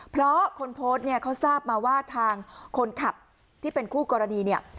เพราะคนโพสต์เนี่ยเขาทราบมาว่าทางคนขับที่เป็นคู่กรณีเนี่ย